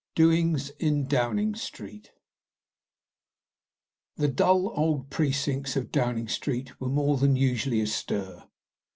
DOINGS IN DOWNING STREET The dull old precincts of Downing Street were more than usually astir.